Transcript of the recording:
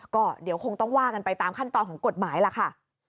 ก็เดี๋ยวคงต้องว่ากันไปตามขั้นตอนของกฎหมายล่ะค่ะ